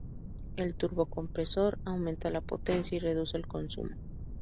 El turbocompresor aumenta la potencia y reduce el consumo.